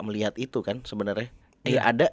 melihat itu kan sebenarnya